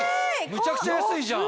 むちゃくちゃ安いじゃん。